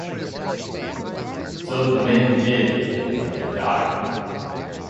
So the men did, and they died.